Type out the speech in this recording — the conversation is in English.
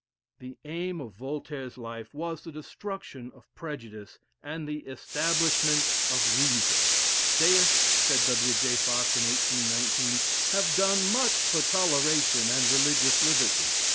The aim of Voltaire's life was the destruction of prejudice and the establishment of Reason. "Deists," said W. J. Fox in 1819, "have done much for toleration and religious liberty.